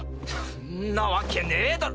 んなわけねぇだろ。